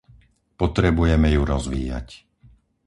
Potrebujeme ju rozvíjať.